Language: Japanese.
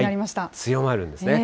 強まるんですね。